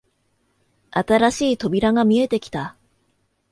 新しい扉が見えてきた